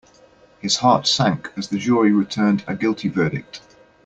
His heart sank as the jury returned a guilty verdict.